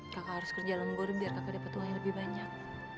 kakak harus kerja lembur biar kakak dapat uang yang lebih banyak